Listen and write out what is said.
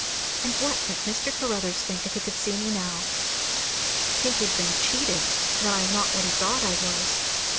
And what would Mr. Caruthers think, if he could see me now? Think he had been cheated, and that I am not what he thought I was.